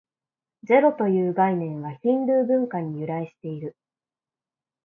ゼロという概念は、ヒンドゥー文化に由来している。